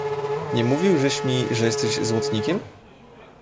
"Nie mówił żeś mi, że jesteś złotnikiem?"